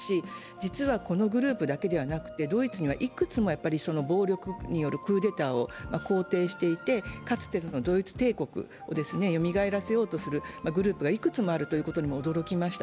実はこのグループだけではなくて、ドイツにはいくつも暴力によるクーデターを肯定していて、かつてドイツ帝国をよみがえらせようとするグループがいくつもあるということにも驚きました。